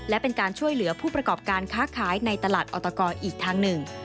และเป็นการช่วยเหลือผู้ประกอบการค้าขายในตลาดออตกอีกทางหนึ่ง